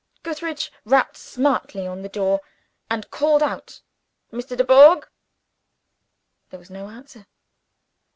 Gootheridge rapped smartly on the door, and called out, "Mr. Dubourg!" There was no answer.